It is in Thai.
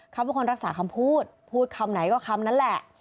เขาเป็นคนรักษาคำพูดพูดคำไหนก็คำนั้นแหละ